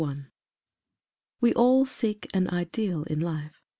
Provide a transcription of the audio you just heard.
"T"YT~E all seek an ideal in life.